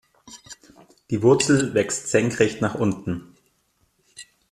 Die Wurzel wächst senkrecht nach unten.